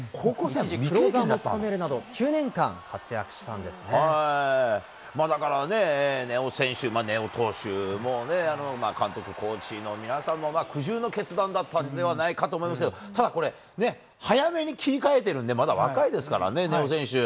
一時、クローザーも務めるなど、だからね、根尾選手、根尾投手もね、監督、コーチの皆さんも苦渋の決断だったんではないかと思うんですけど、ただこれ、早めに切り替えてるんで、まだ若いですからね、根尾選手。